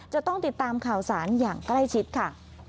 จะต้องติดตามข่าวสารอย่างใกล้ชิดค่ะ